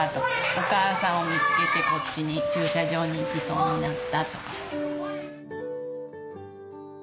お母さんを見つけてこっちに駐車場に行きそうになったとか。